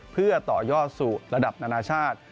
เพื่อต่อยอดสู่ระดับนานาชาติ